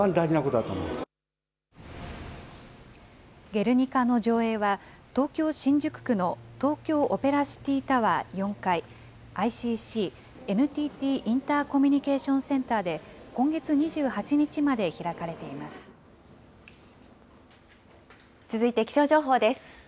ゲルニカの上映は、東京・新宿区の東京オペラシティタワー４階、ＩＣＣ・ＮＴＴインターコミュニケーション・センターで今月２８続いて気象情報です。